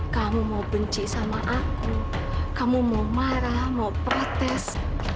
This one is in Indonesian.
kamu mau benci sama aku kamu mau marah mau protes